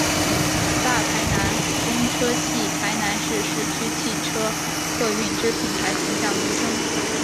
大台南公车系台南市市区汽车客运之品牌形象名称。